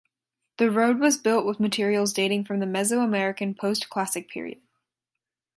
The road was built with materials dating from the Mesoamerican Postclassic Period.